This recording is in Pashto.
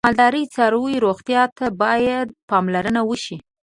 د مالدارۍ څاروی روغتیا ته باید پاملرنه وشي.